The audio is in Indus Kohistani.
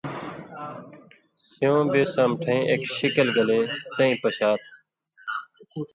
سیوں بے سامٹَھیں ایک شِکل گلے څَیں پَشا تھہ،